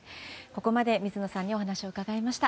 ここまで水野さんにお話を伺いました。